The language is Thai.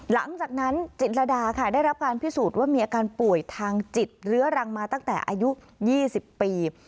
หลังจากนั้นจิตรดาค่ะได้รับการพิสูจน์ว่ามีอาการป่วยทางจิตเรื้อรังมาตั้งแต่อายุ๒๐ปี